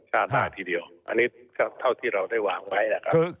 ชาติหน้าที่เดียวอันนี้เท่าที่เราได้วางไว้